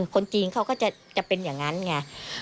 คนจีนเขาก็จะเป็นอย่างนั้นไง